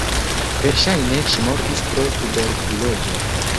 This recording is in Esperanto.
Verŝajne ŝi mortis pro tuberkulozo.